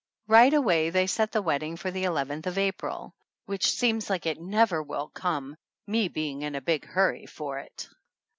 Right away they set the wedding for the eleventh of April, which seems like it never will come, me being in a big hurry for it.